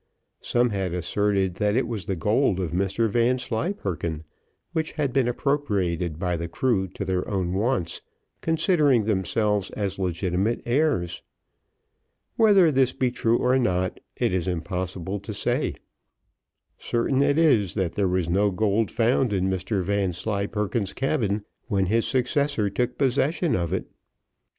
Some had asserted that it was the gold of Mr Vanslyperken, which had been appropriated by the crew to their own wants, considering themselves as his legitimate heirs. Whether this be true or not, it is impossible to say; certain it is, that there was no gold found in Mr Vanslyperken's cabin when his successor took possession of it.